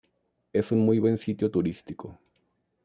Es un muy buen sitio turístico.